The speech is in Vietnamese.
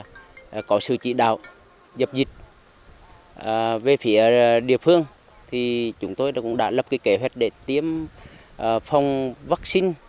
trong khi đạt được trị đạo dập dịch về phía địa phương chúng tôi đã lập kế hoạch để tiêm phòng vaccine